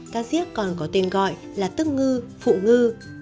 cá diếc còn có tên gọi là tức ngư phụ ngư